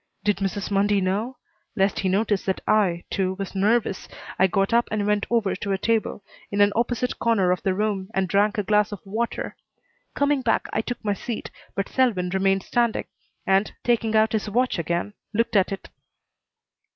Did Mrs. Mundy know? Lest he notice that I, too, was nervous I got up and went over to a table in an opposite corner of the room and drank a glass of water. Coming back, I took my seat, but Selwyn remained standing, and, taking out his watch again, looked at it.